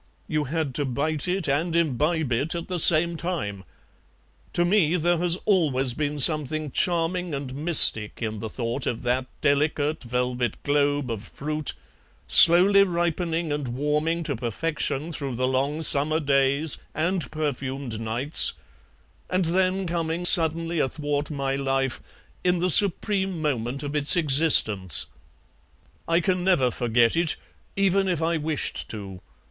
You had to bite it and imbibe it at the same time. To me there has always been something charming and mystic in the thought of that delicate velvet globe of fruit, slowly ripening and warming to perfection through the long summer days and perfumed nights, and then coming suddenly athwart my life in the supreme moment of its existence. I can never forget it, even if I wished to.